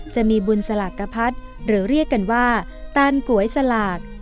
จะมีบุญสลากกะพัดหรือเรียกกันว่าตานก๋วยสลาก